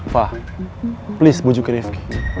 fah please bujuk ke rifki